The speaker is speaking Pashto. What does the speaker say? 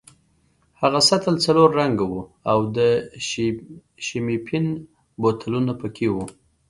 هغه سطل سلور رنګه وو او د شیمپین بوتلونه پکې وو.